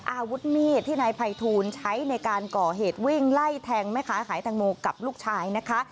อาวุธมีดที่นายภัยทูลใช้ในการก่อเหตุวิ่งไล่แทงแม่ค้าขายแตงโมกับลูกชายนะคะ